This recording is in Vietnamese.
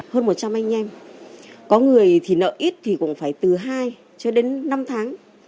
hơn một trăm linh anh em có người thì nợ ít thì cũng phải từ hai cho đến năm tháng